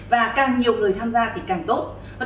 và càng nhiều người tham gia thì càng tốt